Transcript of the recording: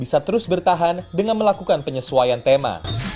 bisa terus bertahan dengan melakukan penyesuaian tema